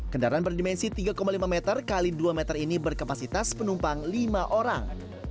kendaraan berdimensi tiga lima meter x dua meter ini berkapasitas penumpang lima orang